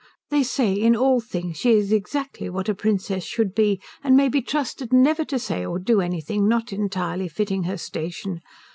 They say in all things she is exactly what a Princess should be, and may be trusted never to say or do anything not entirely fitting her station.